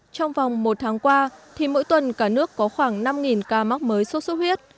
trong vòng một tháng qua thì mỗi tuần cả nước có khoảng năm ca mắc mới sốt sốt huyết